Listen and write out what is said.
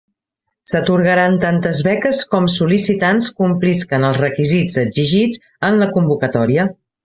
S'atorgaran tantes beques com sol·licitants complisquen els requisits exigits en la convocatòria.